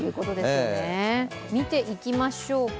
見ていきましょうか。